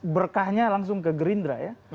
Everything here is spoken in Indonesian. berkahnya langsung ke gerindra ya